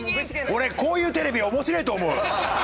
俺こういうテレビ面白えと思う。